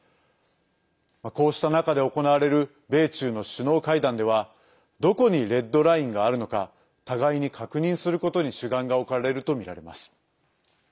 こうした中で行われる米中の首脳会談ではどこにレッドラインがあるのか互いに確認することに主眼が置かれるとみられます。